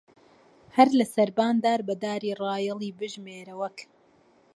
هەر لە سەربان دار بە داری ڕایەڵی بژمێرە وەک